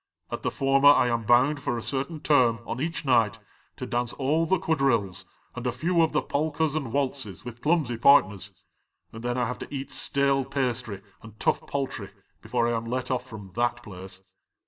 At the former I am bound for a certain term on each night to dance all the quadrilles, and a few of the polkas and waltzes with clumsy partners ; and then I have to eat stale pastry and tough poultry 90 HOUSEHOLD WORDS. [Conducted by before lam let off from that place.